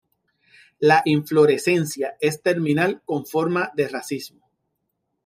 La inflorescencia es terminal, con forma de racimo.